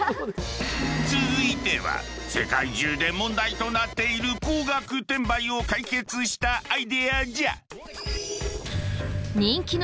続いては世界中で問題となっている高額転売を解決したアイデアじゃ。